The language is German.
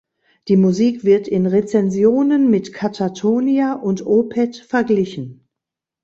Die Musik wird in Rezensionen mit Katatonia und Opeth verglichen.